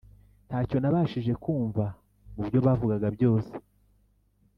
Ntacyo nabashije kumva mubyo bavugaga byose